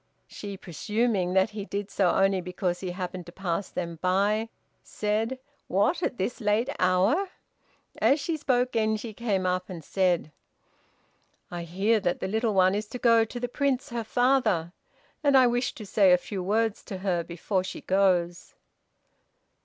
She, presuming that he did so only because he happened to pass by them, said, "What! at this late hour?" As she spoke, Genji came up and said: "I hear that the little one is to go to the Prince, her father, and I wish to say a few words to her before she goes."